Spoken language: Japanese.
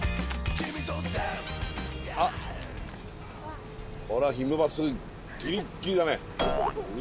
あっこれはひむバスギリッギリだね。